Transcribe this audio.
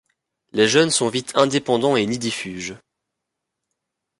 Les jeunes sont vite indépendants et nidifuges.